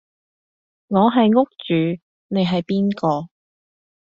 我係屋主你係邊個？